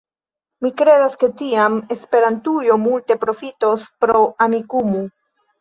Ni kredas, ke tiam Esperantujo multe profitos pro Amikumu.